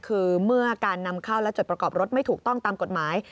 คือเมื่อการนำเข้าและจดประกอบรถไม่ถูกต้องตามกฎหมาย